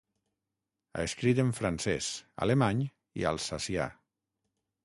Ha escrit en francès, alemany i alsacià.